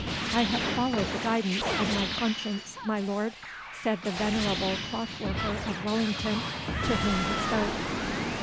'I have followed the guidance of my conscience, my Lord,' said the venerable cloth worker of Wellington, to whom he spoke.